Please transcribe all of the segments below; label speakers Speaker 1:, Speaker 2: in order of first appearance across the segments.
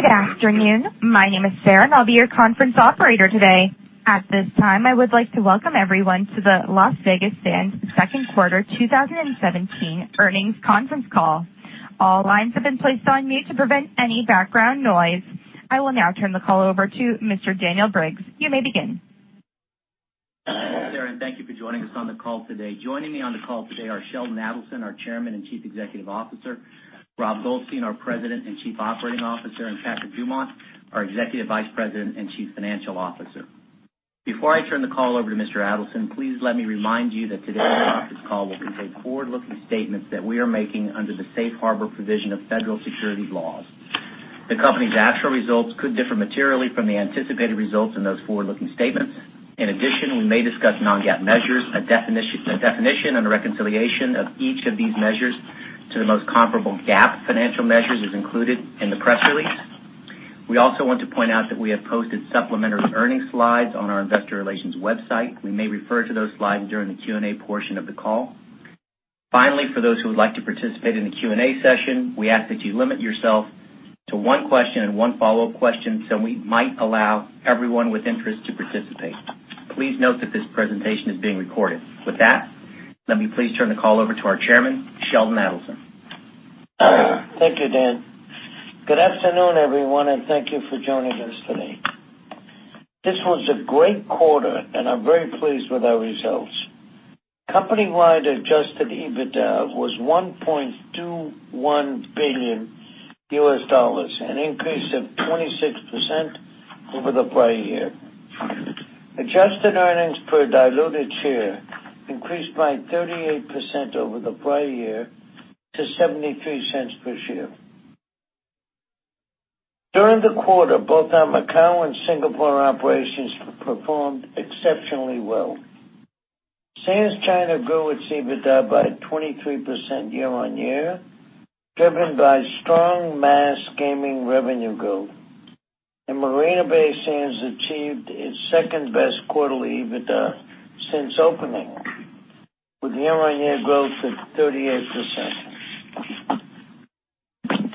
Speaker 1: Good afternoon. My name is Sarah, and I'll be your conference operator today. At this time, I would like to welcome everyone to the Las Vegas Sands Second Quarter 2017 earnings conference call. All lines have been placed on mute to prevent any background noise. I will now turn the call over to Mr. Daniel Briggs. You may begin.
Speaker 2: Sarah, thank you for joining us on the call today. Joining me on the call today are Sheldon Adelson, our Chairman and Chief Executive Officer, Rob Goldstein, our President and Chief Operating Officer, and Patrick Dumont, our Executive Vice President and Chief Financial Officer. Before I turn the call over to Mr. Adelson, please let me remind you that today's conference call will contain forward-looking statements that we are making under the safe harbor provision of federal securities laws. The company's actual results could differ materially from the anticipated results in those forward-looking statements. In addition, we may discuss non-GAAP measures. A definition and a reconciliation of each of these measures to the most comparable GAAP financial measures is included in the press release. We also want to point out that we have posted supplementary earnings slides on our investor relations website. We may refer to those slides during the Q&A portion of the call. Finally, for those who would like to participate in the Q&A session, we ask that you limit yourself to one question and one follow-up question so we might allow everyone with interest to participate. Please note that this presentation is being recorded. With that, let me please turn the call over to our Chairman, Sheldon Adelson.
Speaker 3: Thank you, Dan. Good afternoon, everyone, and thank you for joining us today. This was a great quarter, and I'm very pleased with our results. Company-wide adjusted EBITDA was $1.21 billion, an increase of 26% over the prior year. Adjusted earnings per diluted share increased by 38% over the prior year to $0.73 per share. During the quarter, both our Macau and Singapore operations performed exceptionally well. Sands China grew its EBITDA by 23% year-on-year, driven by strong mass gaming revenue growth. Marina Bay Sands achieved its second-best quarterly EBITDA since opening, with year-on-year growth at 38%.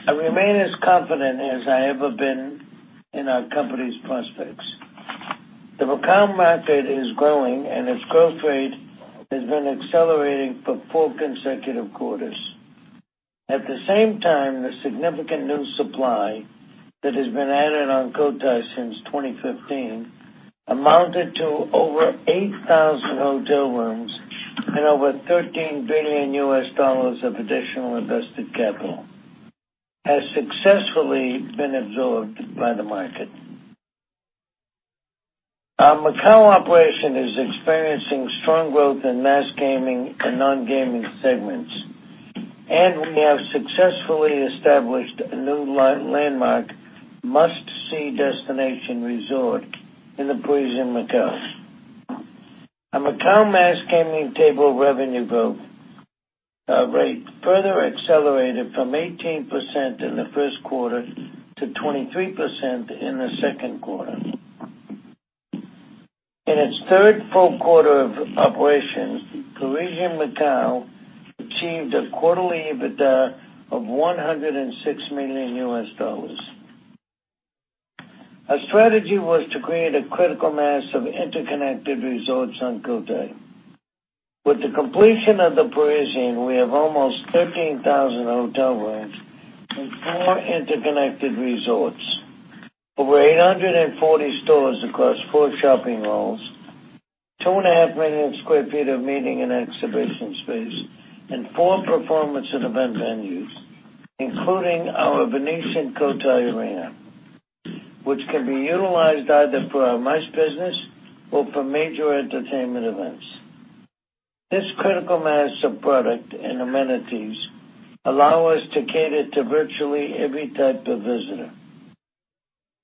Speaker 3: I remain as confident as I ever been in our company's prospects. The Macau market is growing, and its growth rate has been accelerating for four consecutive quarters. At the same time, the significant new supply that has been added on Cotai since 2015 amounted to over 8,000 hotel rooms and over $13 billion US of additional invested capital, has successfully been absorbed by the market. Our Macao operation is experiencing strong growth in mass gaming and non-gaming segments, and we have successfully established a new landmark must-see destination resort in The Parisian Macao. Our Macao mass gaming table revenue growth rate further accelerated from 18% in the first quarter to 23% in the second quarter. In its third full quarter of operations, The Parisian Macao achieved a quarterly EBITDA of $106 million. Our strategy was to create a critical mass of interconnected resorts on Cotai. With the completion of The Parisian, we have almost 13,000 hotel rooms and four interconnected resorts, over 840 stores across four shopping malls, 2.5 million sq ft of meeting and exhibition space, and four performance and event venues, including our Venetian Cotai Arena, which can be utilized either for our MICE business or for major entertainment events. This critical mass of product and amenities allow us to cater to virtually every type of visitor.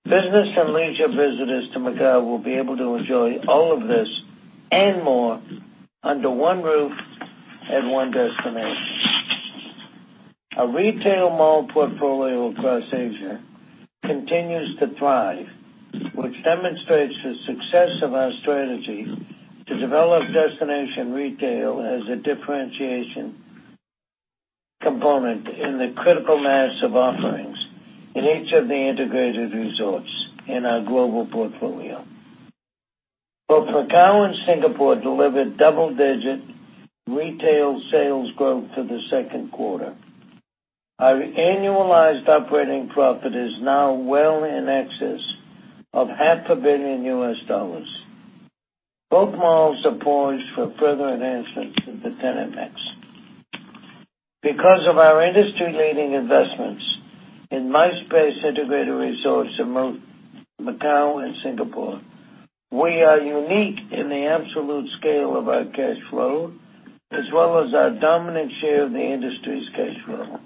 Speaker 3: Business and leisure visitors to Macao will be able to enjoy all of this and more under one roof at one destination. Our retail mall portfolio across Asia continues to thrive, which demonstrates the success of our strategy to develop destination retail as a differentiation component in the critical mass of offerings in each of the integrated resorts in our global portfolio. Both Macao and Singapore delivered double-digit retail sales growth for the second quarter. Our annualized operating profit is now well in excess of half a billion US dollars. Both malls are poised for further enhancements with the tenant mix. Because of our industry-leading investments in MICE-based integrated resorts in both Macao and Singapore, we are unique in the absolute scale of our cash flow, as well as our dominant share of the industry's cash flow.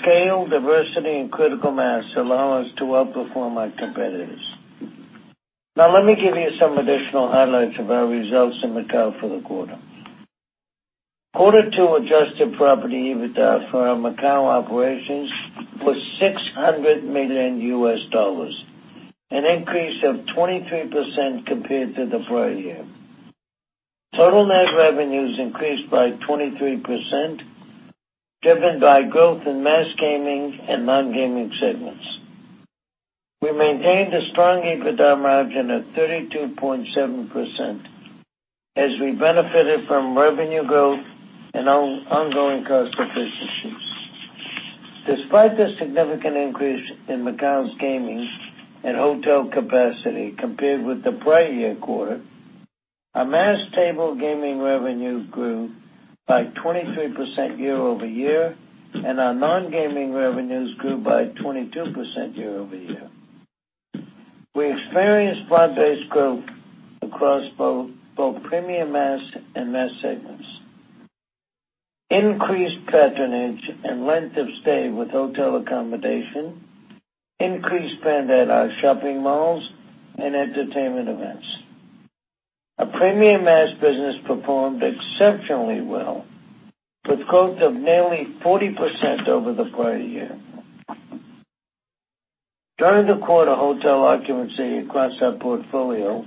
Speaker 3: Scale, diversity, and critical mass allow us to outperform our competitors. Let me give you some additional highlights of our results in Macao for the quarter. Quarter two adjusted property EBITDA for our Macao operations was $600 million US, an increase of 23% compared to the prior year. Total net revenues increased by 23%, driven by growth in mass gaming and non-gaming segments. We maintained a strong EBITDA margin of 32.7% as we benefited from revenue growth and ongoing cost efficiencies. Despite the significant increase in Macao's gaming and hotel capacity compared with the prior year quarter, our mass table gaming revenue grew by 23% year-over-year, and our non-gaming revenues grew by 22% year-over-year. We experienced broad-based growth across both premium mass and mass segments. Increased patronage and length of stay with hotel accommodation, increased spend at our shopping malls and entertainment events. Our premium mass business performed exceptionally well, with growth of nearly 40% over the prior year. During the quarter, hotel occupancy across our portfolio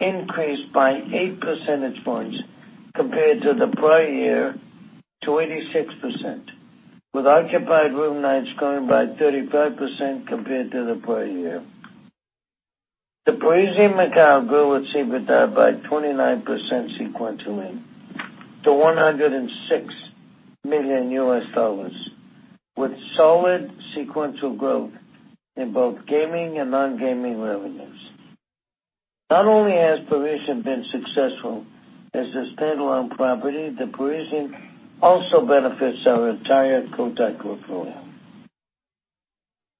Speaker 3: increased by eight percentage points compared to the prior year to 86%, with occupied room nights growing by 35% compared to the prior year. The Parisian Macao grew its EBITDA by 29% sequentially to $106 million, with solid sequential growth in both gaming and non-gaming revenues. Not only has Parisian been successful as a standalone property, The Parisian also benefits our entire Cotai portfolio.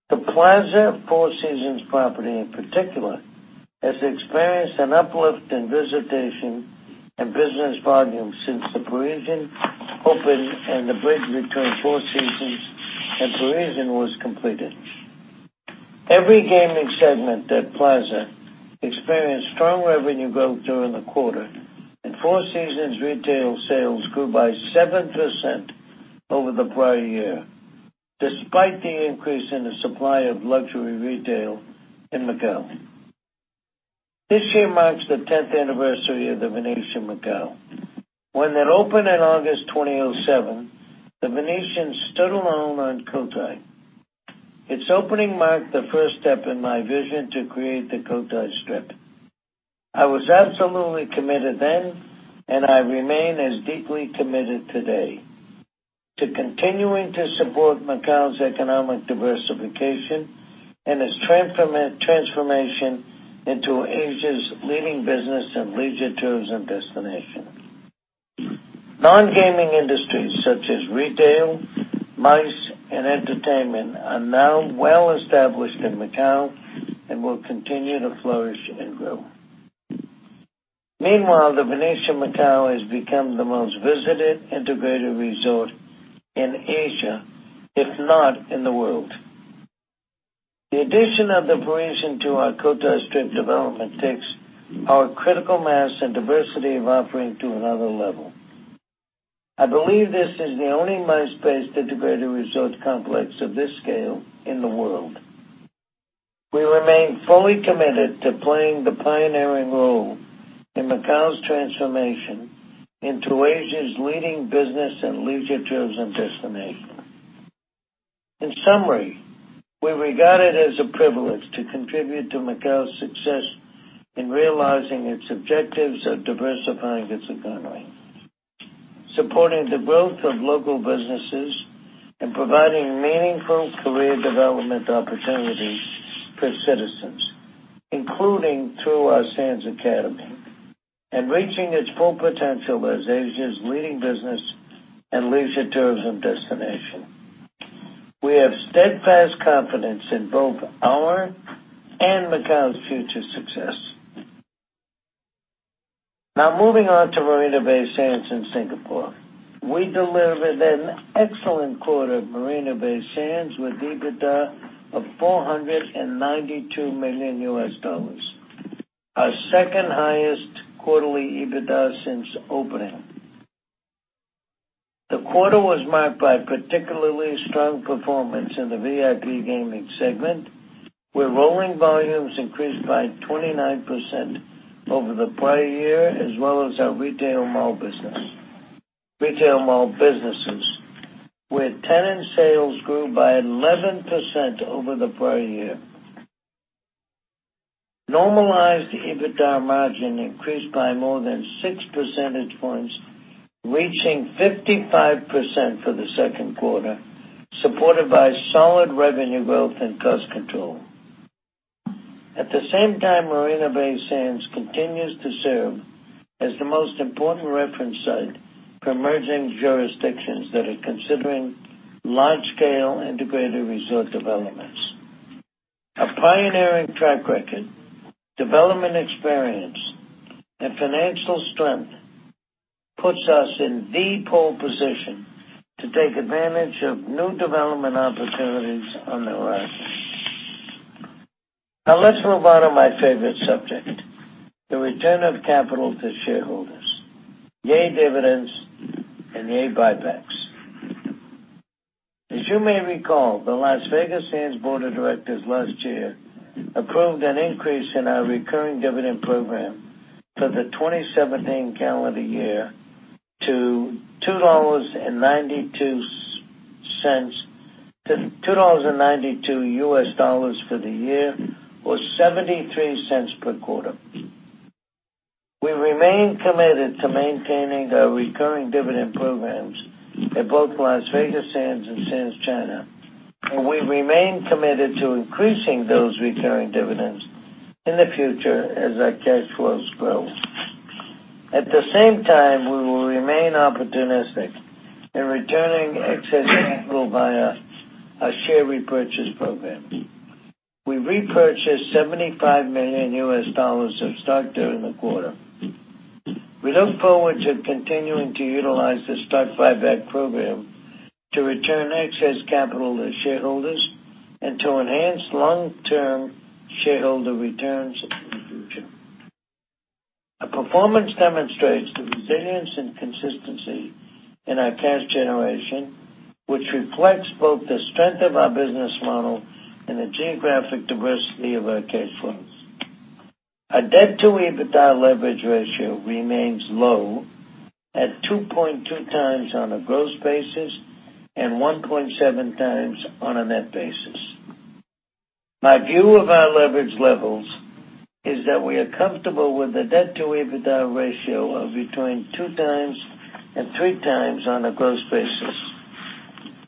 Speaker 3: The Plaza Four Seasons property, in particular, has experienced an uplift in visitation and business volumes since The Parisian opened and the bridge between Four Seasons and The Parisian was completed. Every gaming segment at The Plaza experienced strong revenue growth during the quarter, and Four Seasons retail sales grew by 7% over the prior year, despite the increase in the supply of luxury retail in Macau. This year marks the 10th anniversary of The Venetian Macao. When it opened in August 2007, The Venetian stood alone on Cotai. Its opening marked the first step in my vision to create the Cotai Strip. I was absolutely committed then, and I remain as deeply committed today to continuing to support Macau's economic diversification and its transformation into Asia's leading business and leisure tourism destination. Non-gaming industries such as retail, MICE, and entertainment are now well-established in Macau and will continue to flourish and grow. Meanwhile, The Venetian Macao has become the most visited integrated resort in Asia, if not in the world. The addition of The Parisian to our Cotai Strip development takes our critical mass and diversity of offering to another level. I believe this is the only mixed-phase integrated resort complex of this scale in the world. We remain fully committed to playing the pioneering role in Macau's transformation into Asia's leading business and leisure tourism destination. In summary, we regard it as a privilege to contribute to Macau's success in realizing its objectives of diversifying its economy, supporting the growth of local businesses, and providing meaningful career development opportunities for citizens, including through our Sands Academy, and reaching its full potential as Asia's leading business and leisure tourism destination. We have steadfast confidence in both our and Macau's future success. Now, moving on to Marina Bay Sands in Singapore. We delivered an excellent quarter at Marina Bay Sands, with EBITDA of $492 million. Our second highest quarterly EBITDA since opening. The quarter was marked by particularly strong performance in the VIP gaming segment, where rolling volumes increased by 29% over the prior year, as well as our retail mall businesses, where tenant sales grew by 11% over the prior year. Normalized EBITDA margin increased by more than six percentage points, reaching 55% for the second quarter, supported by solid revenue growth and cost control. At the same time, Marina Bay Sands continues to serve as the most important reference site for emerging jurisdictions that are considering large-scale integrated resort developments. Our pioneering track record, development experience, and financial strength puts us in the pole position to take advantage of new development opportunities on the rise. Now let's move on to my favorite subject, the return of capital to shareholders. Yay, dividends, and yay, buybacks. As you may recall, the Las Vegas Sands board of directors last year approved an increase in our recurring dividend program for the 2017 calendar year to $2.92 for the year or $0.73 per quarter. We remain committed to maintaining our recurring dividend programs at both Las Vegas Sands and Sands China, and we remain committed to increasing those recurring dividends in the future as our cash flows grow. At the same time, we will remain opportunistic in returning excess capital via our share repurchase programs. We repurchased $75 million of stock during the quarter. We look forward to continuing to utilize the stock buyback program to return excess capital to shareholders and to enhance long-term shareholder returns in the future. Our performance demonstrates the resilience and consistency in our cash generation, which reflects both the strength of our business model and the geographic diversity of our cash flows. Our debt-to-EBITDA leverage ratio remains low at 2.2 times on a gross basis and 1.7 times on a net basis. My view of our leverage levels is that we are comfortable with the debt-to-EBITDA ratio of between two times and three times on a gross basis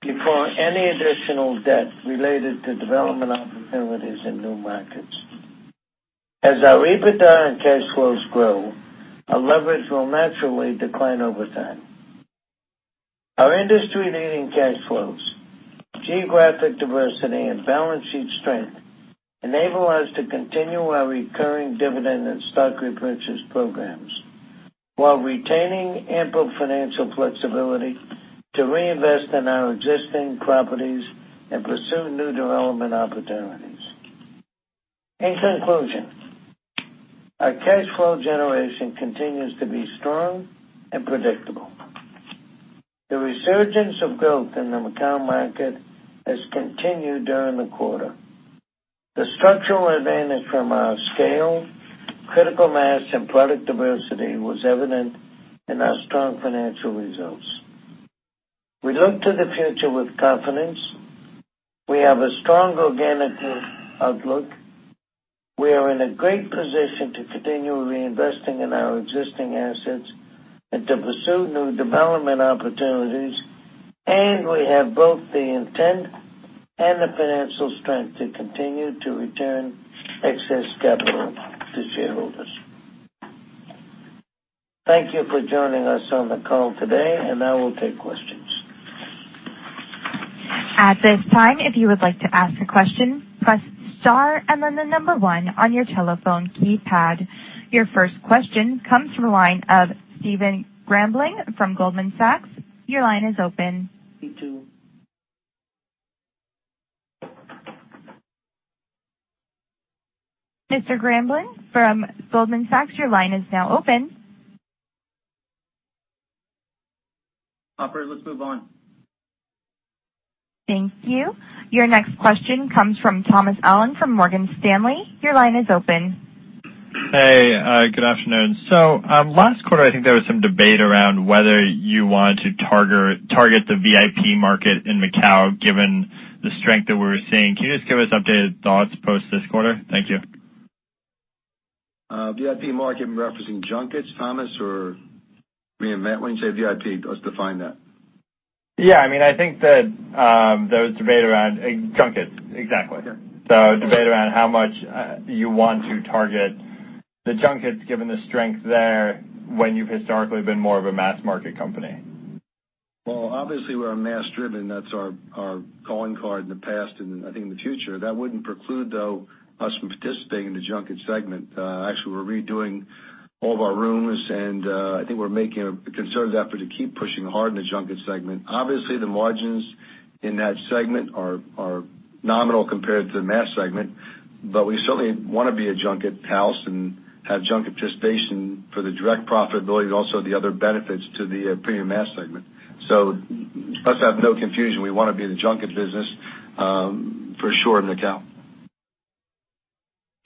Speaker 3: before any additional debt related to development opportunities in new markets. As our EBITDA and cash flows grow, our leverage will naturally decline over time. Our industry-leading cash flows, geographic diversity, and balance sheet strength enable us to continue our recurring dividend and stock repurchase programs while retaining ample financial flexibility to reinvest in our existing properties and pursue new development opportunities. In conclusion, our cash flow generation continues to be strong and predictable. The resurgence of growth in the Macau market has continued during the quarter. The structural advantage from our scale, critical mass, and product diversity was evident in our strong financial results. We look to the future with confidence. We have a strong organic growth outlook. We are in a great position to continue reinvesting in our existing assets and to pursue new development opportunities. We have both the intent and the financial strength to continue to return excess capital to shareholders. Thank you for joining us on the call today, and now we'll take questions.
Speaker 1: At this time, if you would like to ask a question, press star and then the number one on your telephone keypad. Your first question comes from the line of Steven Grambling from Goldman Sachs. Your line is open.
Speaker 3: Thank you.
Speaker 1: Mr. Grambling from Goldman Sachs, your line is now open.
Speaker 4: Operator, let's move on.
Speaker 1: Thank you. Your next question comes from Thomas Allen from Morgan Stanley. Your line is open.
Speaker 5: Hey, good afternoon. Last quarter, I think there was some debate around whether you wanted to target the VIP market in Macau, given the strength that we were seeing. Can you just give us updated thoughts post this quarter? Thank you.
Speaker 4: VIP market, you're referencing junkets, Thomas? Or, [inaudible] when you say VIP, let's define that.
Speaker 5: Yeah, I think that there was debate around junkets. Exactly.
Speaker 4: Okay.
Speaker 5: Debate around how much you want to target the junkets, given the strength there when you've historically been more of a mass market company.
Speaker 4: Well, obviously, we're mass-driven. That's our calling card in the past and I think in the future. That wouldn't preclude, though, us from participating in the junket segment. Actually, we're redoing all of our rooms, and I think we're making a concerted effort to keep pushing hard in the junket segment. Obviously, the margins in that segment are nominal compared to the mass segment, but we certainly want to be a junket house and have junket participation for the direct profitability and also the other benefits to the premium mass segment. Let's have no confusion. We want to be in the junket business for sure in Macau.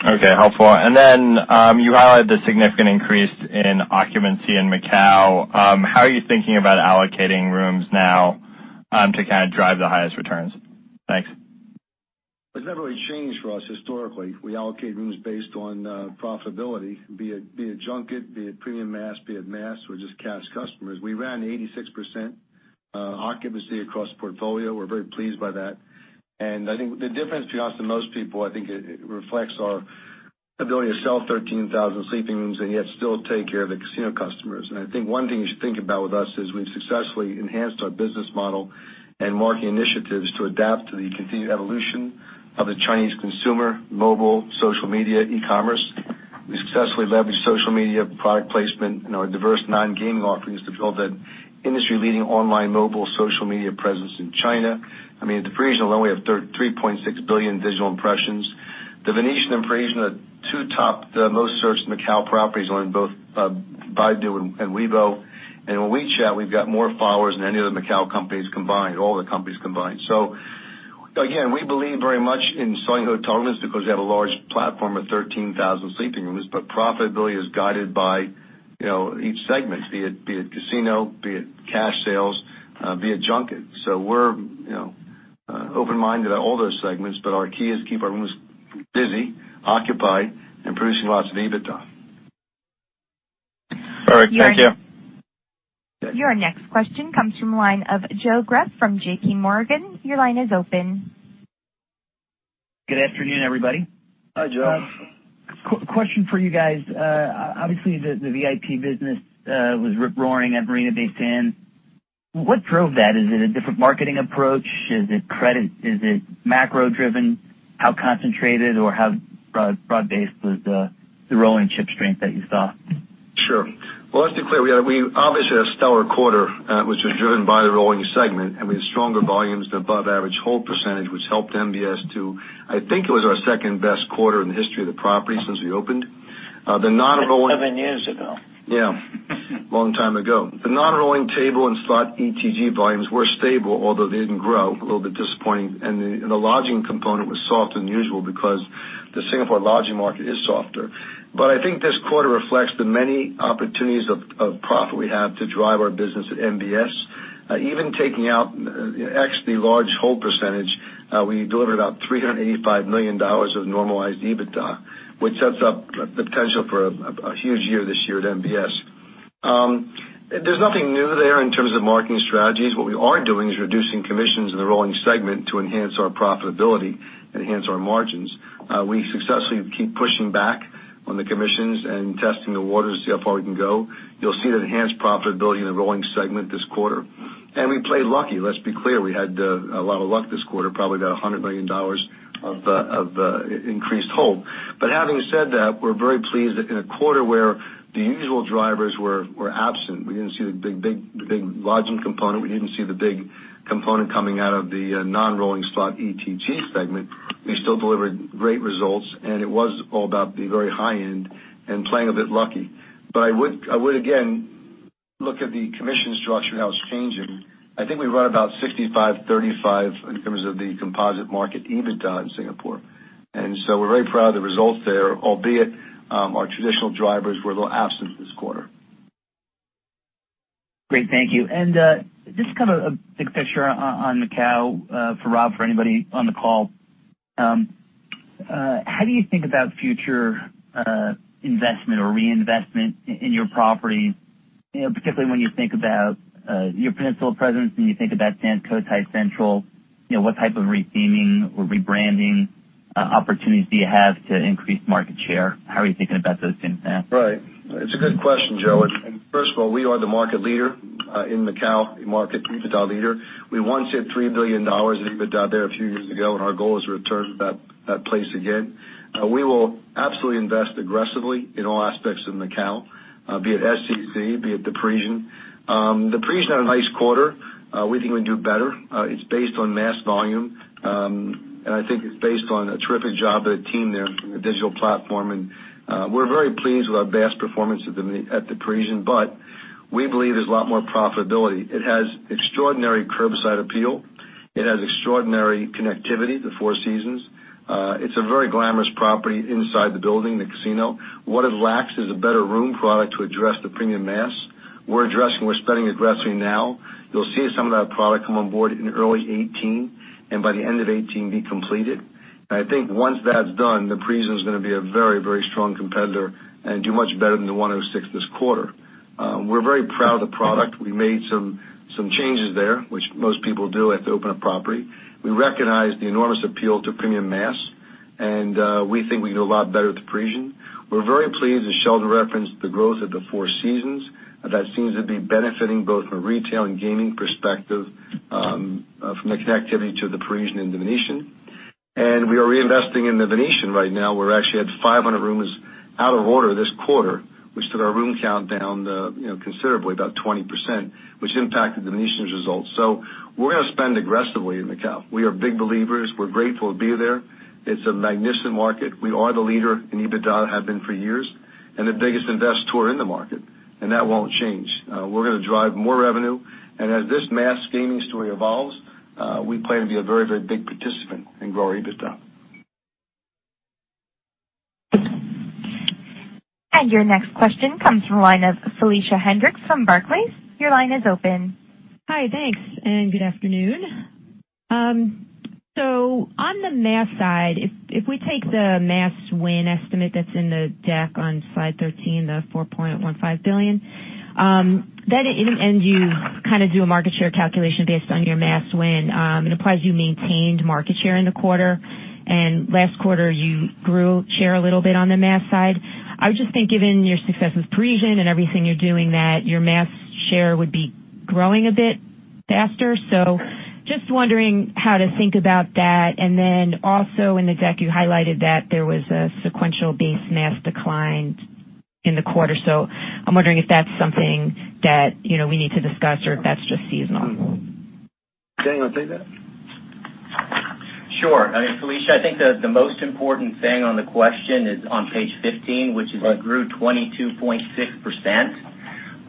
Speaker 5: Okay. Helpful. Then, you highlighted the significant increase in occupancy in Macau. How are you thinking about allocating rooms now to kind of drive the highest returns? Thanks.
Speaker 4: It's never really changed for us historically. We allocate rooms based on profitability, be it junket, be it premium mass, be it mass, or just cash customers. We ran 86% occupancy across the portfolio. We're very pleased by that. I think the difference between us and most people, I think it reflects our ability to sell 13,000 sleeping rooms and yet still take care of the casino customers. I think one thing you should think about with us is we've successfully enhanced our business model and marketing initiatives to adapt to the continued evolution of the Chinese consumer, mobile, social media, e-commerce. We successfully leveraged social media, product placement, and our diverse non-gaming offerings to build an industry-leading online mobile social media presence in China. In the region alone, we have 3.6 billion digital impressions. The Venetian and Parisian are two top, the most searched Macau properties on both Baidu and Weibo. On WeChat, we've got more followers than any other Macau companies combined, all the companies combined. Again, we believe very much in selling hotel rooms because they have a large platform of 13,000 sleeping rooms. Profitability is guided by each segment, be it casino, be it cash sales, be it junket. We're open-minded at all those segments, but our key is to keep our rooms busy, occupied, and producing lots of EBITDA.
Speaker 5: All right. Thank you.
Speaker 1: Your next question comes from the line of Joe Greff from J.P. Morgan. Your line is open.
Speaker 6: Good afternoon, everybody.
Speaker 4: Hi, Joe.
Speaker 6: Question for you guys. Obviously, the VIP business was rip-roaring at Marina Bay Sands. What drove that? Is it a different marketing approach? Is it credit? Is it macro-driven? How concentrated or how broad-based was the rolling chip strength that you saw?
Speaker 4: Sure. Well, let's be clear. We obviously had a stellar quarter, which was driven by the rolling segment. We had stronger volumes and above-average hold percentage, which helped MBS to, I think it was our second-best quarter in the history of the property since we opened. The non-rolling-
Speaker 6: Seven years ago.
Speaker 4: Yeah. Long time ago. The non-rolling table and slot ETG volumes were stable, although they didn't grow, a little bit disappointing. The lodging component was softer than usual because the Singapore lodging market is softer. I think this quarter reflects the many opportunities of profit we have to drive our business at MBS. Even taking out x the large hold percentage, we delivered about $385 million of normalized EBITDA, which sets up the potential for a huge year this year at MBS. There's nothing new there in terms of marketing strategies. What we are doing is reducing commissions in the rolling segment to enhance our profitability, enhance our margins. We successfully keep pushing back on the commissions and testing the waters to see how far we can go. You'll see that enhanced profitability in the rolling segment this quarter. We played lucky. Let's be clear. We had a lot of luck this quarter, probably about $100 million of increased hold. Having said that, we're very pleased that in a quarter where the usual drivers were absent, we didn't see the big lodging component, we didn't see the big component coming out of the non-rolling slot ETG segment. We still delivered great results, and it was all about the very high end and playing a bit lucky. I would, again, look at the commission structure and how it's changing. I think we run about 65/35 in terms of the composite market EBITDA in Singapore. We're very proud of the results there, albeit our traditional drivers were a little absent this quarter.
Speaker 6: Great. Thank you. Just kind of a big picture on Macau for Rob, for anybody on the call. How do you think about future investment or reinvestment in your properties, particularly when you think about your peninsula presence and you think about Sands Cotai Central, what type of retheming or rebranding opportunities do you have to increase market share? How are you thinking about those things now?
Speaker 4: Right. It's a good question, Joe. First of all, we are the market leader in Macau, EBITDA leader. We once hit $3 billion of EBITDA there a few years ago. Our goal is to return to that place again. We will absolutely invest aggressively in all aspects of Macau, be it SCC, be it The Parisian. The Parisian had a nice quarter. We think we can do better. It's based on mass volume, and I think it's based on a terrific job by the team there in the digital platform. We're very pleased with our mass performance at The Parisian, but we believe there's a lot more profitability. It has extraordinary curbside appeal. It has extraordinary connectivity, the Four Seasons. It's a very glamorous property inside the building, the casino. What it lacks is a better room product to address the premium mass. We're spending addressing now. You'll see some of that product come on board in early 2018, and by the end of 2018, be completed. I think once that's done, The Parisian's going to be a very, very strong competitor and do much better than the 106 this quarter. We're very proud of the product. We made some changes there, which most people do if they open a property. We recognize the enormous appeal to premium mass, and we think we can do a lot better with The Parisian. We're very pleased, as Sheldon referenced, the growth of the Four Seasons. That seems to be benefiting both from a retail and gaming perspective from the connectivity to The Parisian and The Venetian. We are reinvesting in The Venetian right now. We actually had 500 rooms out of order this quarter, which took our room count down considerably, about 20%, which impacted The Venetian's results. We're going to spend aggressively in Macau. We are big believers. We're grateful to be there. It's a magnificent market. We are the leader in EBITDA, have been for years. The biggest investor in the market, and that won't change. We're going to drive more revenue, and as this mass gaming story evolves, we plan to be a very, very big participant in growing EBITDA.
Speaker 1: Your next question comes from the line of Felicia Hendrix from Barclays. Your line is open.
Speaker 7: Hi, thanks, and good afternoon. On the mass side, if we take the mass win estimate that's in the deck on slide 13, the $4.15 billion, that in the end, you kind of do a market share calculation based on your mass win. It appears you maintained market share in the quarter, and last quarter, you grew share a little bit on the mass side. I would just think given your success with Parisian and everything you're doing that your mass share would be growing a bit faster. Just wondering how to think about that. Then also in the deck, you highlighted that there was a sequential base mass decline in the quarter. I'm wondering if that's something that we need to discuss or if that's just seasonal.
Speaker 8: Dan, you want to take that?
Speaker 2: Sure. Felicia, I think the most important thing on the question is on page 15, which is it grew 22.6%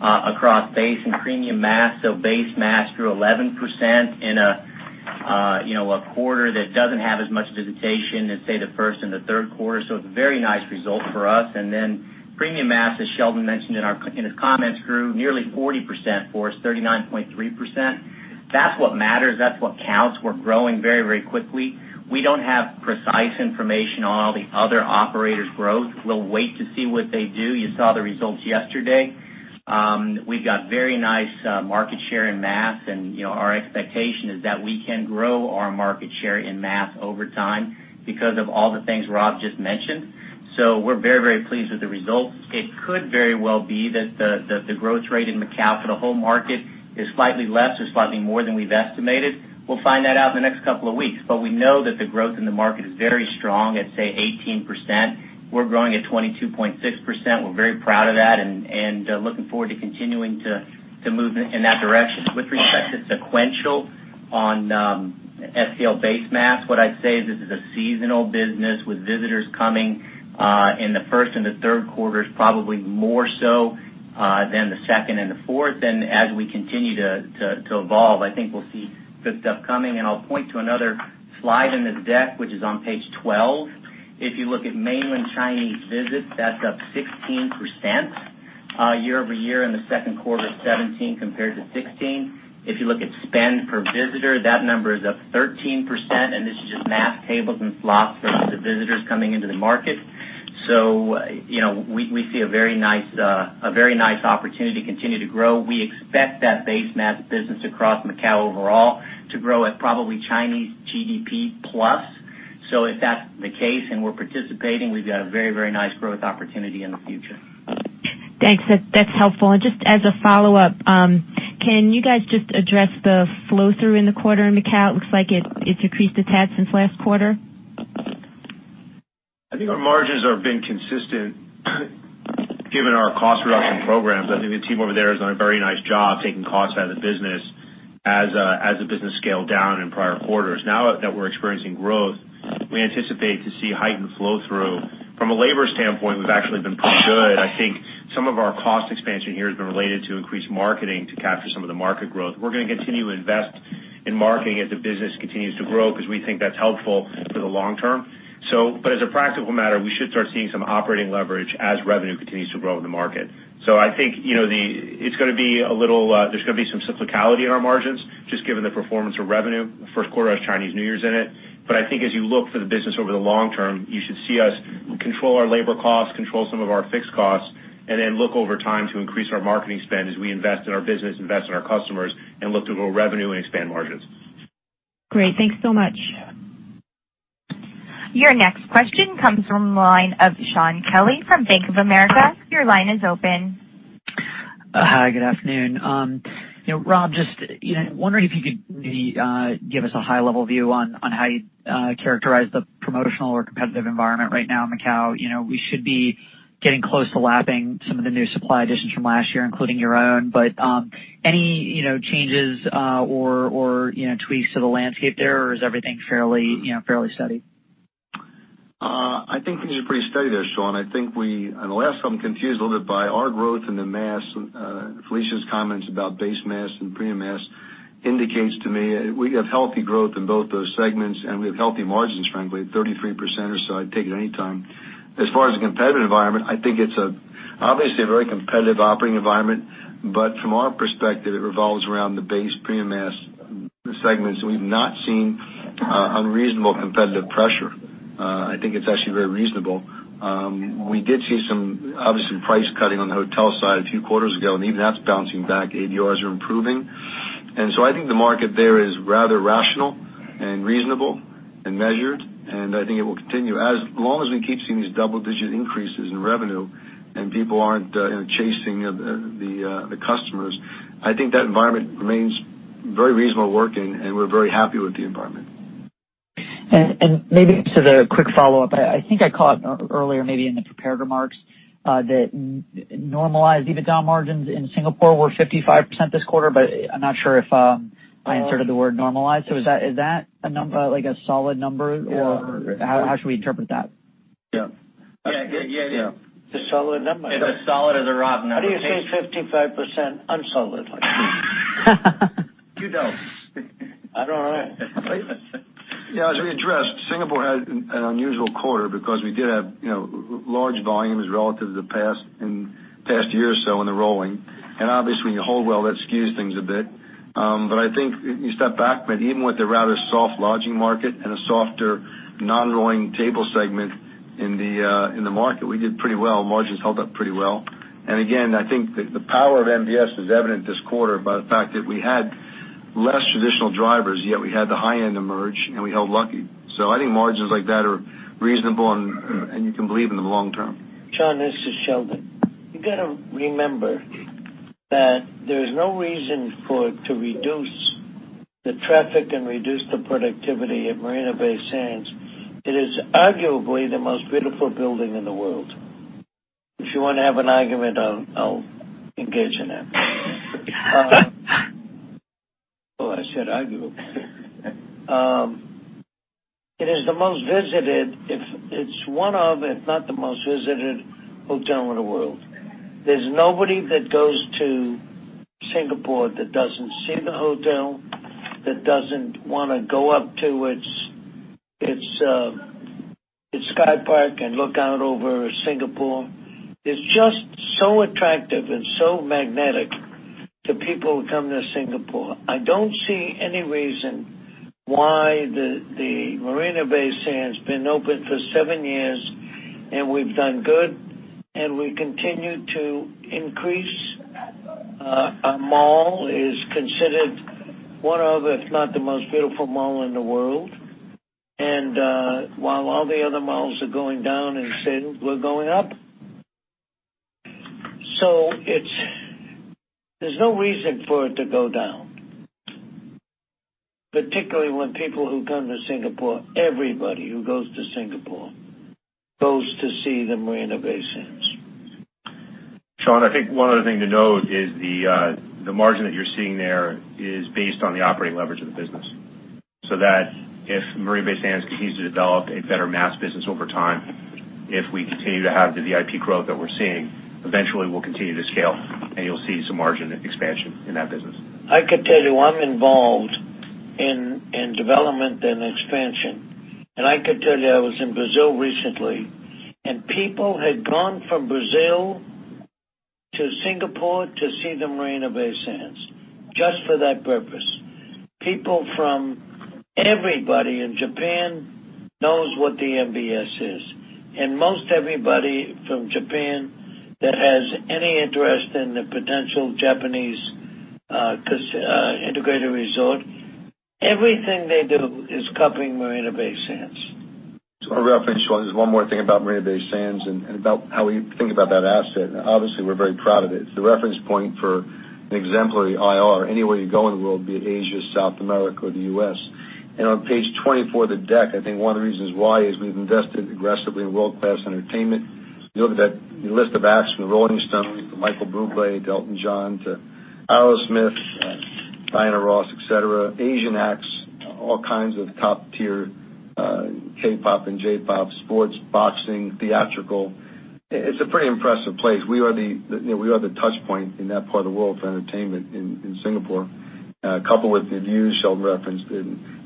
Speaker 2: across base and premium mass. Base mass grew 11% in a quarter that doesn't have as much visitation as, say, the first and the third quarter. It's a very nice result for us. Then premium mass, as Sheldon mentioned in his comments, grew nearly 40% for us, 39.3%. That's what matters. That's what counts. We're growing very, very quickly. We don't have precise information on all the other operators' growth. We'll wait to see what they do. You saw the results yesterday. We've got very nice market share in mass, and our expectation is that we can grow our market share in mass over time because of all the things Rob just mentioned. We're very, very pleased with the results. It could very well be that the growth rate in Macau for the whole market is slightly less or slightly more than we've estimated. We'll find that out in the next couple of weeks. We know that the growth in the market is very strong at, say, 18%. We're growing at 22.6%. We're very proud of that and looking forward to continuing to move in that direction. With respect to sequential on FCL base mass, what I'd say is this is a seasonal business with visitors coming in the first and the third quarters, probably more so than the second and the fourth. As we continue to evolve, I think we'll see good stuff coming. I'll point to another slide in the deck, which is on page 12. If you look at mainland Chinese visits, that's up 16% year-over-year in the second quarter 2017 compared to 2016. If you look at spend per visitor, that number is up 13%, and this is just mass tables and slots for the visitors coming into the market. We see a very nice opportunity to continue to grow. We expect that base mass business across Macau overall to grow at probably Chinese GDP plus. If that's the case and we're participating, we've got a very, very nice growth opportunity in the future.
Speaker 7: Thanks. That's helpful. Just as a follow-up, can you guys just address the flow-through in the quarter in Macau? It looks like it's increased a tad since last quarter.
Speaker 8: I think our margins have been consistent given our cost reduction programs. I think the team over there has done a very nice job taking costs out of the business as the business scaled down in prior quarters. Now that we're experiencing growth, we anticipate to see heightened flow-through. From a labor standpoint, we've actually been pretty good. I think some of our cost expansion here has been related to increased marketing to capture some of the market growth. We're going to continue to invest in marketing as the business continues to grow because we think that's helpful for the long term. As a practical matter, we should start seeing some operating leverage as revenue continues to grow in the market. First quarter has Chinese New Year in it. I think as you look for the business over the long term, you should see us control our labor costs, control some of our fixed costs, and then look over time to increase our marketing spend as we invest in our business, invest in our customers, and look to grow revenue and expand margins.
Speaker 7: Great. Thanks so much.
Speaker 1: Your next question comes from the line of Shaun Kelley from Bank of America. Your line is open.
Speaker 9: Hi, good afternoon. Rob, just wondering if you could give us a high-level view on how you'd characterize the promotional or competitive environment right now in Macao. We should be getting close to lapping some of the new supply additions from last year, including your own. Any changes or tweaks to the landscape there, or is everything fairly steady?
Speaker 8: I think things are pretty steady there, Shaun. I think we, unless I'm confused a little bit by our growth in the mass, Felicia's comments about base mass and premium mass indicates to me we have healthy growth in both those segments and we have healthy margins, frankly, at 33% or so, I'd take it any time. As far as the competitive environment, I think it's obviously a very competitive operating environment. From our perspective, it revolves around the base premium mass segments. We've not seen unreasonable competitive pressure. I think it's actually very reasonable. We did see some, obviously, price cutting on the hotel side a few quarters ago, and even that's bouncing back. ADRs are improving. I think the market there is rather rational and reasonable and measured, and I think it will continue. As long as we keep seeing these double-digit increases in revenue, people aren't chasing the customers, I think that environment remains very reasonable working. We're very happy with the environment.
Speaker 9: Maybe just a quick follow-up. I think I caught earlier, maybe in the prepared remarks, that normalized EBITDA margins in Singapore were 55% this quarter. I'm not sure if I inserted the word normalized. Is that a number, like a solid number, or how should we interpret that?
Speaker 8: Yeah.
Speaker 2: Yeah.
Speaker 8: It's a solid number.
Speaker 2: It's as solid as a rock number.
Speaker 3: How do you say 55% unsolid like?
Speaker 2: You don't.
Speaker 3: I don't know.
Speaker 8: Yeah, as we addressed, Singapore had an unusual quarter because we did have large volumes relative to the past year or so in the rolling. Obviously, when you hold well, that skews things a bit. I think if you step back, even with the rather soft lodging market and a softer non-rolling table segment in the market, we did pretty well. Margins held up pretty well. Again, I think the power of MBS is evident this quarter by the fact that we had less traditional drivers, yet we had the high end emerge, and we held lucky. I think margins like that are reasonable, and you can believe in the long term.
Speaker 3: Shaun, this is Sheldon. You got to remember that there's no reason for it to reduce the traffic and reduce the productivity at Marina Bay Sands. It is arguably the most beautiful building in the world. If you want to have an argument, I'll engage in it. Oh, I said argue. It is the most visited. It's one of, if not the most visited hotel in the world. There's nobody that goes to Singapore that doesn't see the hotel, that doesn't want to go up to its SkyPark and look out over Singapore. It's just so attractive and so magnetic to people who come to Singapore. I don't see any reason why the Marina Bay Sands been open for seven years, and we've done good, and we continue to increase. Our mall is considered one of, if not the most beautiful mall in the world. While all the other malls are going down in Sin, we're going up. There's no reason for it to go down, particularly when people who come to Singapore, everybody who goes to Singapore goes to see the Marina Bay Sands.
Speaker 8: Shaun, I think one other thing to note is the margin that you're seeing there is based on the operating leverage of the business. If Marina Bay Sands continues to develop a better mass business over time, if we continue to have the VIP growth that we're seeing, eventually we'll continue to scale, and you'll see some margin expansion in that business.
Speaker 3: I could tell you I'm involved in development and expansion, I could tell you I was in Brazil recently, and people had gone from Brazil to Singapore to see the Marina Bay Sands, just for that purpose. Everybody in Japan knows what the MBS is. Most everybody from Japan that has any interest in the potential Japanese integrated resort, everything they do is copying Marina Bay Sands.
Speaker 4: To reference, there's one more thing about Marina Bay Sands and about how we think about that asset, and obviously, we're very proud of it. It's the reference point for an exemplary IR anywhere you go in the world, be it Asia, South America, or the U.S. On page 24 of the deck, I think one of the reasons why is we've invested aggressively in world-class entertainment. If you look at that list of acts from Rolling Stones to Michael Bublé, Elton John, Aerosmith, Diana Ross, et cetera, Asian acts, all kinds of top-tier K-pop and J-pop, sports, boxing, theatrical. It's a pretty impressive place. We are the touchpoint in that part of the world for entertainment in Singapore. Coupled with the news Sheldon referenced,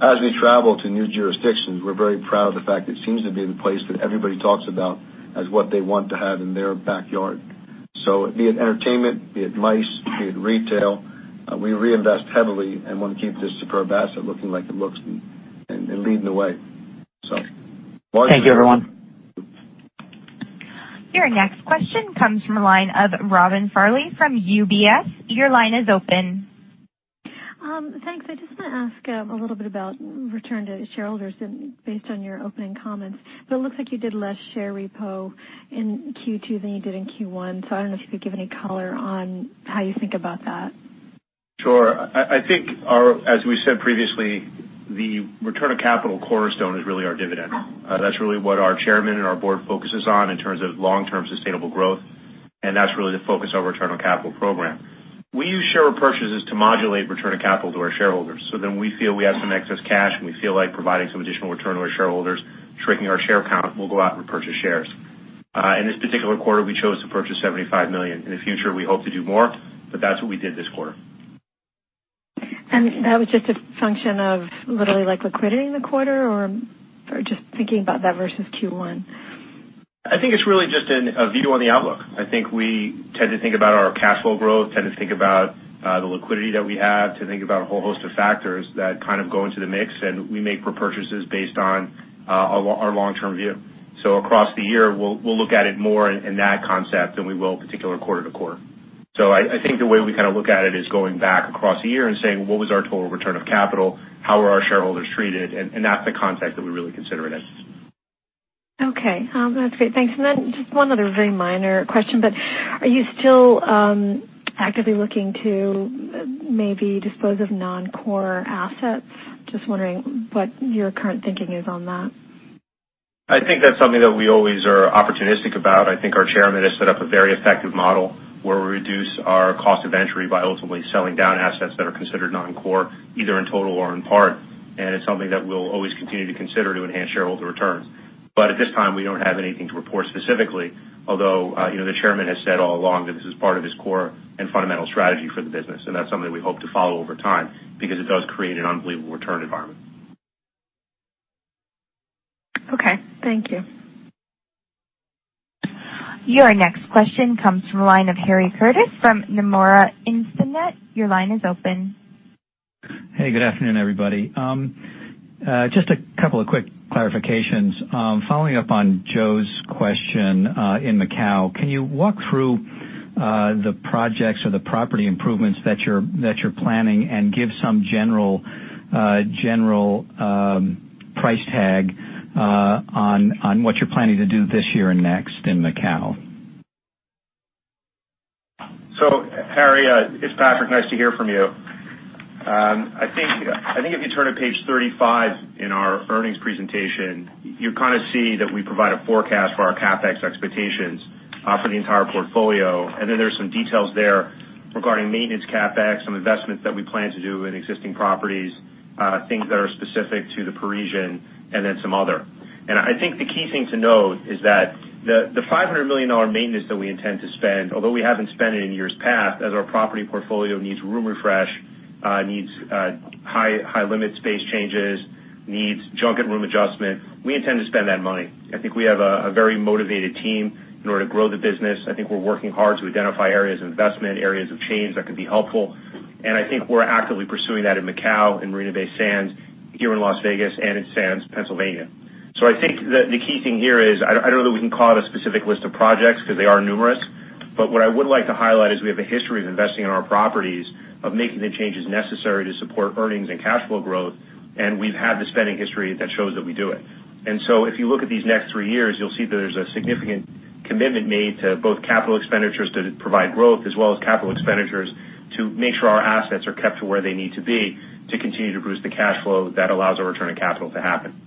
Speaker 4: as we travel to new jurisdictions, we're very proud of the fact it seems to be the place that everybody talks about as what they want to have in their backyard. Be it entertainment, be it MICE, be it retail, we reinvest heavily and want to keep this superb asset looking like it looks and leading the way.
Speaker 8: Thank you, everyone.
Speaker 1: Your next question comes from the line of Robin Farley from UBS. Your line is open.
Speaker 10: Thanks. I just want to ask a little bit about return to shareholders based on your opening comments. It looks like you did less share repo in Q2 than you did in Q1. I don't know if you could give any color on how you think about that.
Speaker 8: Sure. I think as we said previously, the return of capital cornerstone is really our dividend. That's really what our Chairman and our board focuses on in terms of long-term sustainable growth, and that's really the focus of our return on capital program. We use share repurchases to modulate return of capital to our shareholders. We feel we have some excess cash, and we feel like providing some additional return to our shareholders, shrinking our share count, we'll go out and repurchase shares. In this particular quarter, we chose to purchase $75 million. In the future, we hope to do more, that's what we did this quarter.
Speaker 10: That was just a function of literally like liquidity in the quarter or just thinking about that versus Q1?
Speaker 8: I think it's really just a view on the outlook. I think we tend to think about our cash flow growth, tend to think about the liquidity that we have, to think about a whole host of factors that kind of go into the mix, and we make repurchases based on our long-term view. Across the year, we'll look at it more in that concept than we will particular quarter to quarter. I think the way we kind of look at it is going back across a year and saying, what was our total return of capital? How were our shareholders treated? That's the context that we really consider it in.
Speaker 10: Okay. That's great. Thanks. Just one other very minor question, but are you still actively looking to maybe dispose of non-core assets? Just wondering what your current thinking is on that.
Speaker 8: I think that's something that we always are opportunistic about. I think our Chairman has set up a very effective model where we reduce our cost of entry by ultimately selling down assets that are considered non-core, either in total or in part. It's something that we'll always continue to consider to enhance shareholder returns. At this time, we don't have anything to report specifically, although the Chairman has said all along that this is part of his core and fundamental strategy for the business, and that's something we hope to follow over time because it does create an unbelievable return environment.
Speaker 10: Okay. Thank you.
Speaker 1: Your next question comes from the line of Harry Curtis from Nomura Instinet. Your line is open.
Speaker 11: Hey, good afternoon, everybody. Just a couple of quick clarifications. Following up on Joe's question in Macau, can you walk through the projects or the property improvements that you're planning and give some general price tag on what you're planning to do this year and next in Macau?
Speaker 8: Harry, it's Patrick, nice to hear from you. I think if you turn to page 35 in our earnings presentation, you kind of see that we provide a forecast for our CapEx expectations for the entire portfolio. There's some details there regarding maintenance CapEx, some investments that we plan to do in existing properties, things that are specific to the Parisian, and then some other. I think the key thing to note is that the $500 million maintenance that we intend to spend, although we haven't spent it in years past, as our property portfolio needs room refresh, needs high limit space changes, needs junket room adjustment. We intend to spend that money. I think we have a very motivated team in order to grow the business. I think we're working hard to identify areas of investment, areas of change that could be helpful. I think we're actively pursuing that in Macau, in Marina Bay Sands, here in Las Vegas, and in Sands Bethlehem. I think that the key thing here is, I don't know that we can call out a specific list of projects because they are numerous. What I would like to highlight is we have a history of investing in our properties, of making the changes necessary to support earnings and cash flow growth, and we've had the spending history that shows that we do it. If you look at these next 3 years, you'll see that there's a significant commitment made to both capital expenditures to provide growth as well as capital expenditures to make sure our assets are kept to where they need to be to continue to boost the cash flow that allows a return on capital to happen.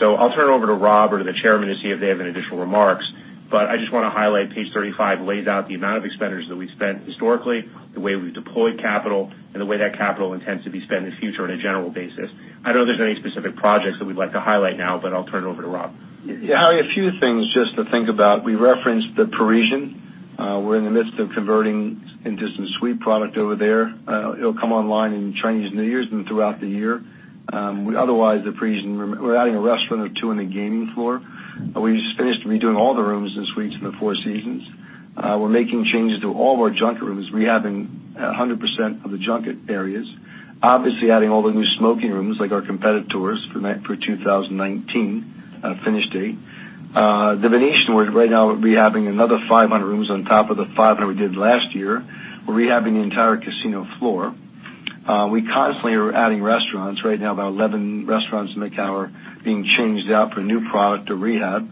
Speaker 8: I'll turn it over to Rob or to the Chairman to see if they have any additional remarks. I just want to highlight page 35 lays out the amount of expenditures that we've spent historically, the way we've deployed capital, and the way that capital intends to be spent in the future on a general basis. I don't know if there's any specific projects that we'd like to highlight now, but I'll turn it over to Rob.
Speaker 4: Harry, a few things just to think about. We referenced The Parisian. We're in the midst of converting into some suite product over there. It'll come online in Chinese New Year and throughout the year. Otherwise, The Parisian, we're adding a restaurant or two in the gaming floor. We just finished redoing all the rooms and suites in the Four Seasons. We're making changes to all of our junket rooms, rehabbing 100% of the junket areas. Obviously, adding all the new smoking rooms like our competitors for 2019 finish date. The Venetian, right now, we're rehabbing another 500 rooms on top of the 500 we did last year. We're rehabbing the entire casino floor. We constantly are adding restaurants. Right now, about 11 restaurants in Macau are being changed out for new product or rehab.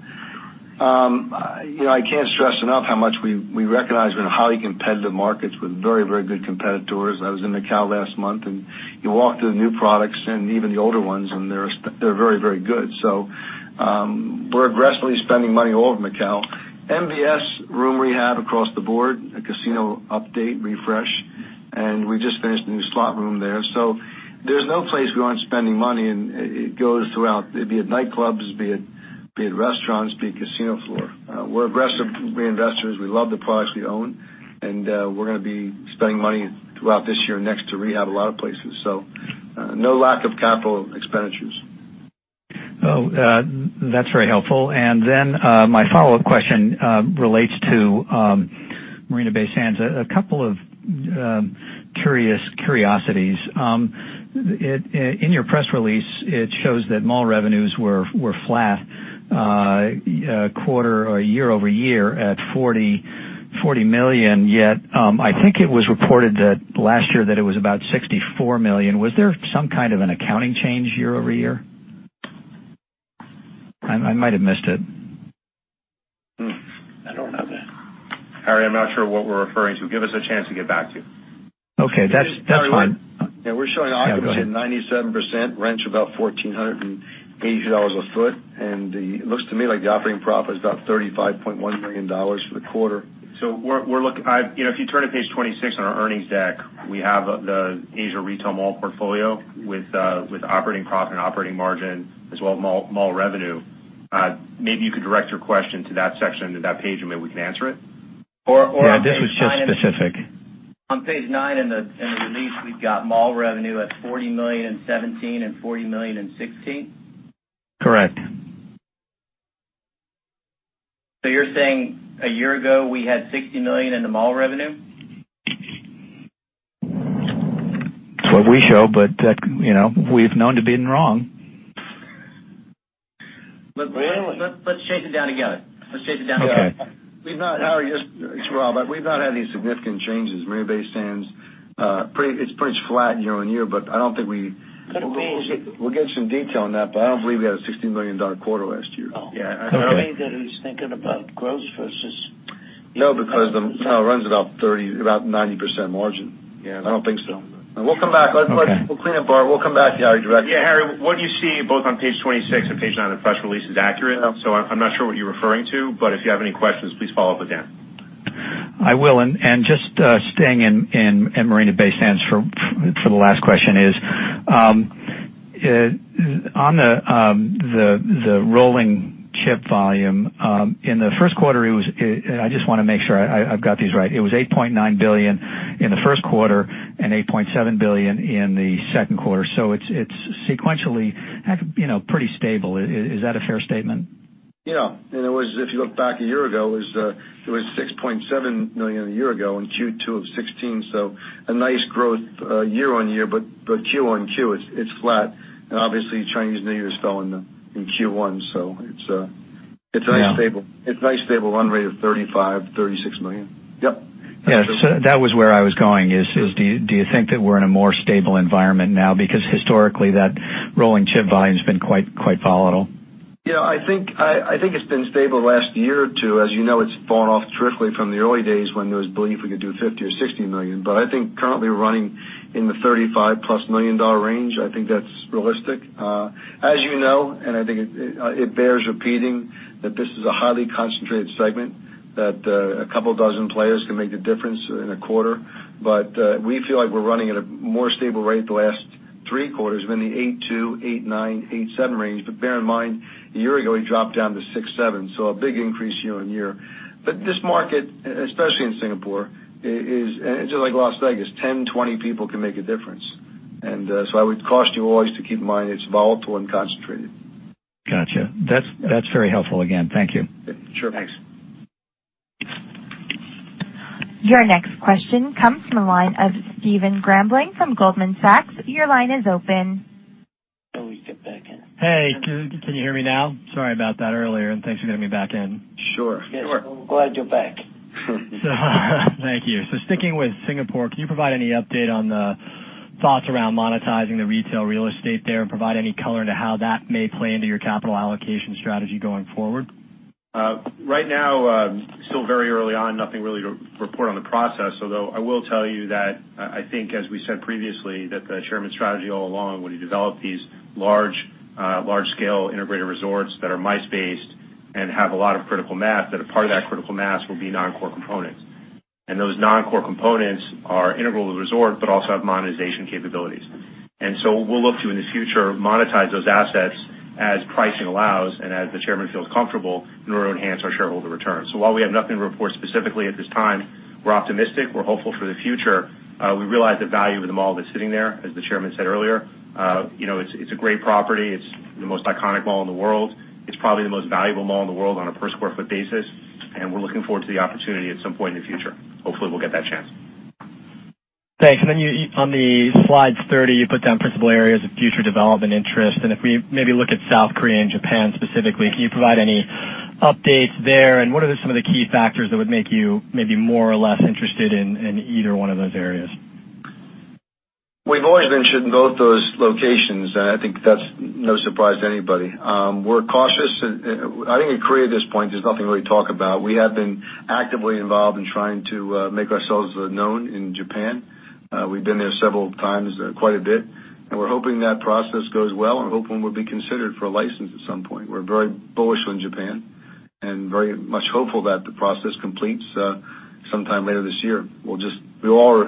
Speaker 4: I can't stress enough how much we recognize we're in highly competitive markets with very, very good competitors. I was in Macau last month, and you walk through the new products and even the older ones, and they're very, very good. We're aggressively spending money all over Macau. MBS room rehab across the board, a casino update refresh, and we just finished a new slot room there. There's no place we aren't spending money, and it goes throughout, be it nightclubs, be it restaurants, be it casino floor. We're aggressive reinvestors. We love the products we own. We're going to be spending money throughout this year and next to rehab a lot of places. No lack of capital expenditures.
Speaker 11: Oh, that's very helpful. My follow-up question relates to Marina Bay Sands. A couple of curiosities. In your press release, it shows that mall revenues were flat year-over-year at $40 million, yet I think it was reported that last year that it was about $64 million. Was there some kind of an accounting change year-over-year? I might have missed it.
Speaker 4: I don't know that.
Speaker 8: Harry, I'm not sure what we're referring to. Give us a chance to get back to you.
Speaker 11: Okay. That's fine.
Speaker 4: We're showing occupancy at 97%, rents are about $1,480 a foot. It looks to me like the operating profit is about $35.1 million for the quarter.
Speaker 8: If you turn to page 26 on our earnings deck, we have the Asia retail mall portfolio with operating profit and operating margin as well as mall revenue. Maybe you could direct your question to that section, to that page, and maybe we can answer it.
Speaker 11: This was just specific.
Speaker 2: On page nine in the release, we've got mall revenue at $40 million in 2017 and $40 million in 2016?
Speaker 11: Correct.
Speaker 2: You're saying a year ago, we had $60 million in the mall revenue?
Speaker 11: That's what we show, but we've known to be wrong.
Speaker 2: Let's chase it down together.
Speaker 11: Okay.
Speaker 4: We've not, Harry, this is Rob. We've not had any significant changes. Marina Bay Sands, it's pretty flat year-on-year.
Speaker 2: Could have been.
Speaker 4: We'll get some detail on that, but I don't believe we had a $60 million quarter last year.
Speaker 2: No.
Speaker 11: Yeah.
Speaker 2: Could it be that he's thinking about growth versus?
Speaker 4: No, because the hotel runs about 90% margin.
Speaker 11: Yeah.
Speaker 4: I don't think so. We'll come back. We'll come back to you, Harry, directly.
Speaker 8: Yeah, Harry, what you see both on page 26 and page nine of the press release is accurate. I'm not sure what you're referring to, but if you have any questions, please follow up with Dan.
Speaker 11: I will. Just staying in Marina Bay Sands for the last question is, on the rolling chip volume, in the first quarter, I just want to make sure I've got these right. It was $8.9 billion in the first quarter and $8.7 billion in the second quarter. It's sequentially pretty stable. Is that a fair statement?
Speaker 4: Yeah. If you look back a year ago, it was $6.7 billion a year ago in Q2 of 2016, so a nice growth year-on-year, but Q-on-Q, it's flat. Obviously, Chinese New Year fell in Q1, so it's a nice stable run rate of $35 million-$36 million. Yep.
Speaker 11: Yeah. That was where I was going is, do you think that we're in a more stable environment now? Because historically, that rolling chip volume's been quite volatile.
Speaker 4: Yeah, I think it's been stable the last year or two. As you know, it's fallen off terrifically from the early days when there was belief we could do $50 million or $60 million. I think currently running in the $35 million-plus range, I think that's realistic. As you know, and I think it bears repeating, that this is a highly concentrated segment, that a couple dozen players can make the difference in a quarter. We feel like we're running at a more stable rate the last three quarters, we're in the 8.2, 8.9, 8.7 range. Bear in mind, a year ago, we dropped down to 6.7, so a big increase year-over-year. This market, especially in Singapore, is just like Las Vegas, 10, 20 people can make a difference. I would caution you always to keep in mind it's volatile and concentrated.
Speaker 11: Got you. That's very helpful again. Thank you. Sure. Thanks.
Speaker 1: Your next question comes from the line of Steven Grambling from Goldman Sachs. Your line is open.
Speaker 3: Oh, he's get back in.
Speaker 12: Hey, can you hear me now? Sorry about that earlier, and thanks for getting me back in.
Speaker 4: Sure.
Speaker 3: Yes. We're glad you're back.
Speaker 12: Thank you. Sticking with Singapore, can you provide any update on the thoughts around monetizing the retail real estate there, and provide any color into how that may play into your capital allocation strategy going forward?
Speaker 8: Right now, still very early on, nothing really to report on the process. Although I will tell you that I think as we said previously, that the Chairman's strategy all along when he developed these large-scale integrated resorts that are high-mass and have a lot of critical mass, that a part of that critical mass will be non-core components. Those non-core components are integral to the resort, but also have monetization capabilities. We'll look to, in the future, monetize those assets as pricing allows and as the Chairman feels comfortable in order to enhance our shareholder returns. While we have nothing to report specifically at this time, we're optimistic, we're hopeful for the future. We realize the value of the mall that's sitting there, as the Chairman said earlier. It's a great property. It's the most iconic mall in the world. It's probably the most valuable mall in the world on a per square foot basis, and we're looking forward to the opportunity at some point in the future. Hopefully, we'll get that chance.
Speaker 12: Thanks. On the slide 30, you put down principal areas of future development interest, and if we maybe look at South Korea and Japan specifically, can you provide any updates there? What are some of the key factors that would make you maybe more or less interested in either one of those areas?
Speaker 4: We've always been sure in both those locations, and I think that's no surprise to anybody. We're cautious. I think in Korea at this point, there's nothing really to talk about. We have been actively involved in trying to make ourselves known in Japan. We've been there several times, quite a bit, and we're hoping that process goes well, and hoping we'll be considered for a license at some point. We're very bullish on Japan and very much hopeful that the process completes sometime later this year. We all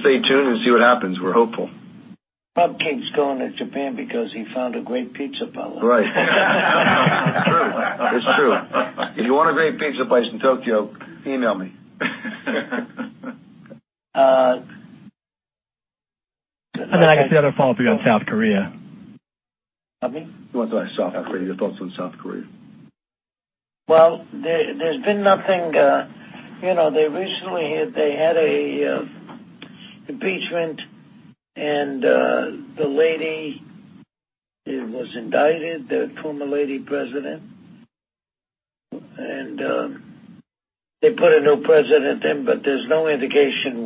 Speaker 4: stay tuned and see what happens. We're hopeful.
Speaker 3: Rob keeps going to Japan because he found a great pizza parlor.
Speaker 4: Right.
Speaker 8: It's true.
Speaker 4: It's true. If you want a great pizza place in Tokyo, email me.
Speaker 12: I guess the other follow-up you have South Korea.
Speaker 3: Pardon me?
Speaker 8: He wants South Korea, your thoughts on South Korea.
Speaker 3: There's been nothing. They recently had an impeachment, and the lady was indicted, the former lady president. They put a new president in, but there's no indication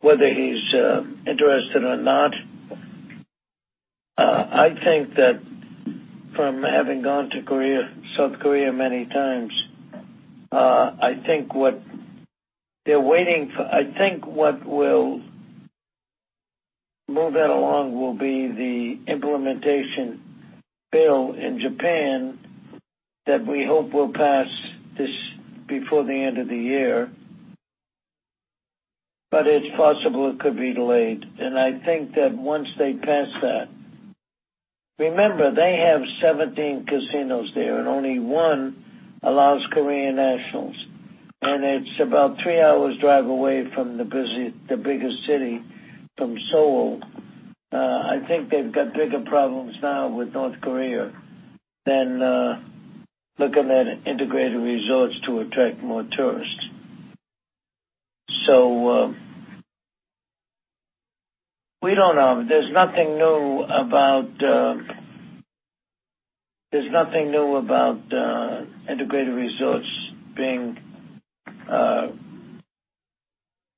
Speaker 3: whether he's interested or not. I think that from having gone to South Korea many times, I think what will move that along will be the implementation bill in Japan that we hope will pass before the end of the year. It's possible it could be delayed. I think that once they pass that. Remember, they have 17 casinos there, and only one allows Korean nationals, and it's about 3 hours drive away from the biggest city, from Seoul. I think they've got bigger problems now with North Korea than looking at integrated resorts to attract more tourists. We don't know. There's nothing new about integrated resorts being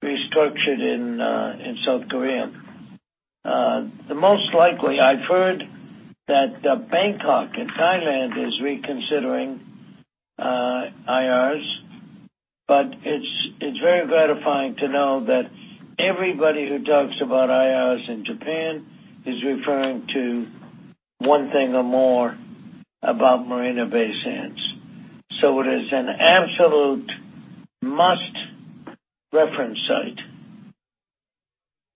Speaker 3: restructured in South Korea. The most likely, I've heard that Bangkok in Thailand is reconsidering IRs. It's very gratifying to know that everybody who talks about IRs in Japan is referring to one thing or more about Marina Bay Sands. It is an absolute must-reference site.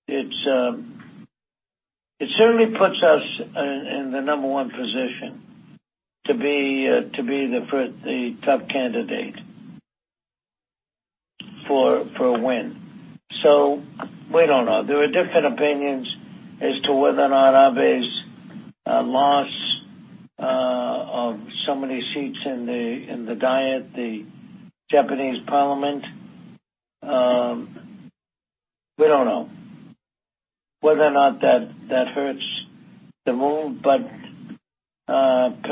Speaker 3: It certainly puts us in the number 1 position to be the top candidate for a win. We don't know. There are different opinions as to whether or not Abe's loss of so many seats in the Diet, the Japanese parliament. We don't know whether or not that hurts the move, Patrick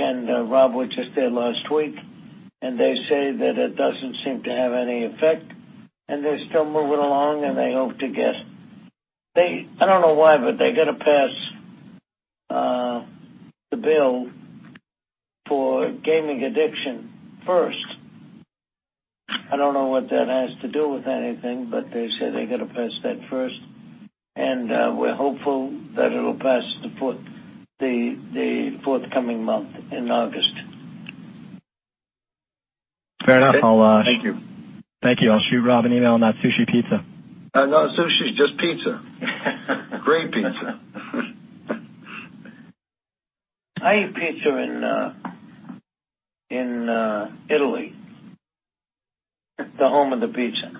Speaker 3: and Rob were just there last week. They say that it doesn't seem to have any effect, and they're still moving along, and they hope to get, I don't know why, they're going to pass the bill for gaming addiction first. I don't know what that has to do with anything, but they say they're going to pass that first, and we're hopeful that it'll pass the forthcoming month in August.
Speaker 12: Fair enough.
Speaker 3: Thank you.
Speaker 12: Thank you. I'll shoot Rob an email on that sushi pizza.
Speaker 4: No sushi, just pizza. Great pizza.
Speaker 3: I ate pizza in Italy, the home of the pizza.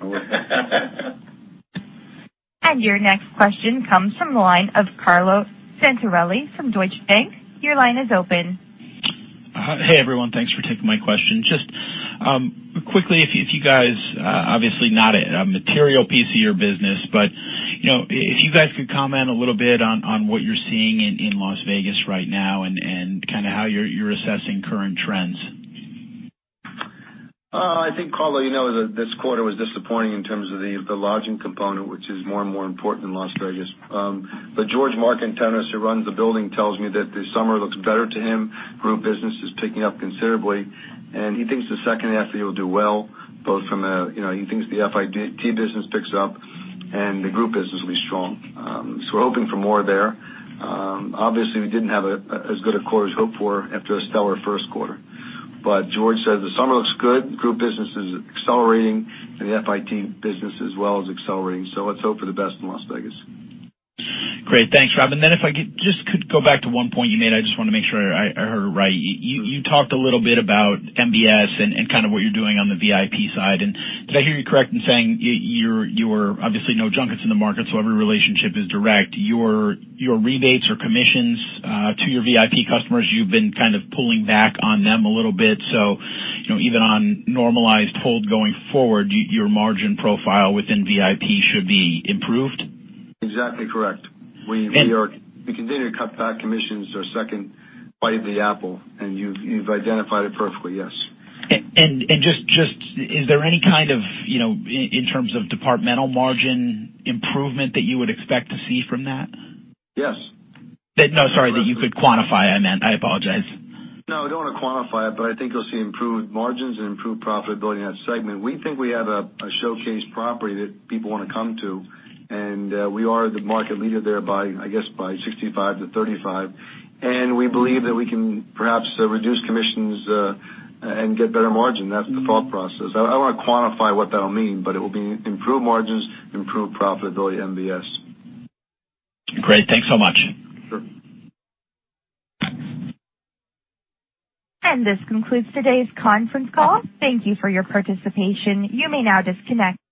Speaker 1: Your next question comes from the line of Carlo Santarelli from Deutsche Bank. Your line is open.
Speaker 13: Hey, everyone. Thanks for taking my question. Just quickly, obviously not a material piece of your business, but if you guys could comment a little bit on what you're seeing in Las Vegas right now and how you're assessing current trends.
Speaker 4: I think, Carlo, you know that this quarter was disappointing in terms of the lodging component, which is more and more important in Las Vegas. George Markantonis, who runs the building, tells me that this summer looks better to him. Group business is picking up considerably, and he thinks the second half of the year will do well. He thinks the FIT business picks up and the group business will be strong. We're hoping for more there. Obviously, we didn't have as good a quarter as hoped for after a stellar first quarter. George Markantonis says the summer looks good. Group business is accelerating and the FIT business as well is accelerating. Let's hope for the best in Las Vegas.
Speaker 13: Great. Thanks, Rob. If I just could go back to one point you made, I just want to make sure I heard it right. You talked a little bit about MBS and what you're doing on the VIP side. Did I hear you correct in saying, obviously no junkets in the market, so every relationship is direct. Your rebates or commissions to your VIP customers, you've been pulling back on them a little bit. Even on normalized hold going forward, your margin profile within VIP should be improved?
Speaker 4: Exactly correct. We continue to cut back commissions, our second bite of the apple, and you've identified it perfectly. Yes.
Speaker 13: Is there any kind of, in terms of departmental margin improvement that you would expect to see from that?
Speaker 4: Yes.
Speaker 13: No, sorry. That you could quantify, I meant. I apologize.
Speaker 4: No, I don't want to quantify it, but I think you'll see improved margins and improved profitability in that segment. We think we have a showcase property that people want to come to, and we are the market leader there by, I guess by 65-35, and we believe that we can perhaps reduce commissions and get better margin. That's the thought process. I don't want to quantify what that'll mean, but it will be improved margins, improved profitability at MBS.
Speaker 13: Great. Thanks so much.
Speaker 4: Sure.
Speaker 1: This concludes today's conference call. Thank you for your participation. You may now disconnect.